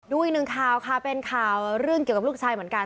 อีกหนึ่งข่าวค่ะเป็นข่าวเรื่องเกี่ยวกับลูกชายเหมือนกัน